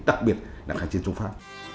đặc biệt là kháng chiến trung pháp